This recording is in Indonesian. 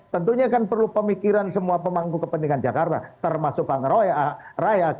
tentunya kan perlu pemikiran semua pemangku kepentingan jakarta termasuk bang roy